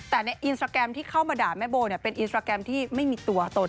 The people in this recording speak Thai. แต่ในอินสตราแกรมที่เข้ามาด่าแม่โบเป็นอินสตราแกรมที่ไม่มีตัวตน